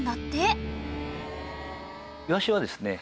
イワシはですね